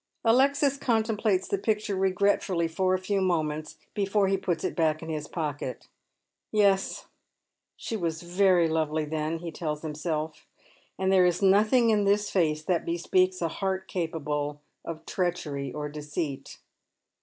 Alexis contemplates the picture regretfully for a few moments before he puts it in his pocket. " Yes, she was very lovely then," he tells himself. *' And there is nothing in this face that bespeaks a heart capable of treachery or deceit.